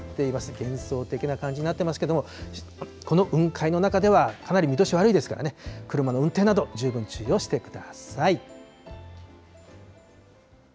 幻想的な感じになってますけども、この雲海の中では、かなり見通し悪いですからね、車の運転など、十分注意をしてください。